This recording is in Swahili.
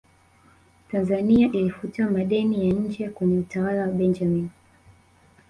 tanzania ilifutiwa madeni ya nje kwenye utawala wa benjamini